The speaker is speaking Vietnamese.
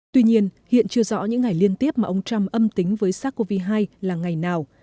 tuy nhiên hiện chưa rõ những ngày liên tiếp mà ông trump âm tính với sars cov hai là ngày nào